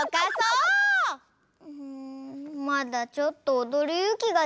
うんまだちょっとおどるゆうきがでないかも。